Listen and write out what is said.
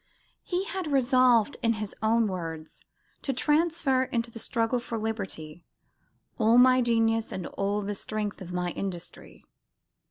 He had resolved, in his own words, to transfer into the struggle for liberty "all my genius and all the strength of my industry."